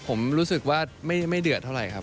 ผมรู้สึกว่าไม่เดือดเท่าไหร่ครับ